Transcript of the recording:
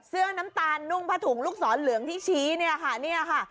เสื้อน้ำตาลนุ่งพะถุงลูกศรเหลืองที่ชี้เนี่ยค่ะ